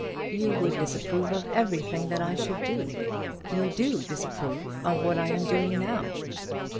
"You would disapprove of everything that I should do. You do disapprove of what I am doing now."